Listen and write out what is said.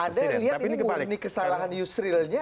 ada yang lihat ini murni kesalahan yusrilnya